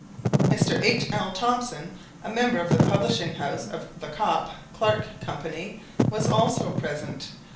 Mr. H.L. Thompson, a member of the publishing house of The Copp, Clark Company, was also present.